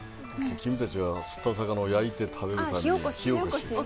君たちは釣った魚を焼いて食べるために火おこし。